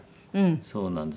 そうなんです。